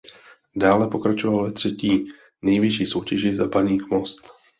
Dále pokračoval ve třetí nejvyšší soutěži za Baník Most.